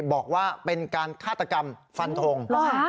บอกว่าเป็นการฆาตกรรมฟันทง